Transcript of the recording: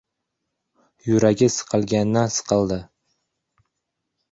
Yuragi sikilgandan-siqildi.